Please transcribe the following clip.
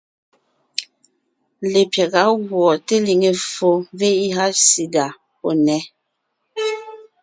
Lepyága gùɔ teliŋe ffo (VIH/SIDA) pɔ́ nnέ,